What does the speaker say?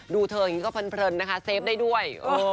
ดูเธออย่างนี้ก็เพลินนะคะเซฟได้ด้วย